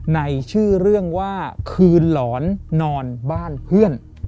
ในชื่อเรื่องว่าคืนหลอนนอนบ้านเพื่อน